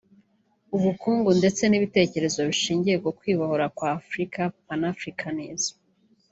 ubukungu ndetse n’ibitekerezo bishingiye ku kwibohora kw’Afurika (Panafricanism)